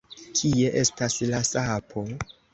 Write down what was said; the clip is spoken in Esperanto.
Kie estas la sapo?